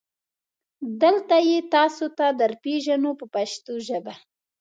دلته یې تاسو ته درپېژنو په پښتو ژبه.